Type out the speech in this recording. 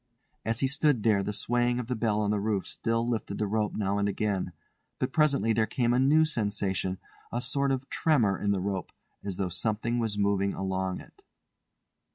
As he stood there the swaying of the bell on the roof still lifted the rope now and again; but presently there came a new sensation—a sort of tremor in the rope, as though something was moving along it.